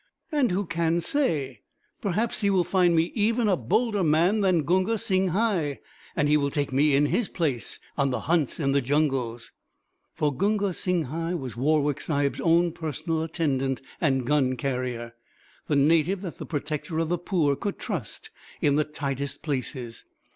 And who can say perhaps he will find me even a bolder man than Gunga Singhai; and he will take me in his place on the hunts in the jungles." For Gunga Singhai was Warwick Sahib's own personal attendant and gun carrier the native that the Protector of the Poor could trust in the tightest places.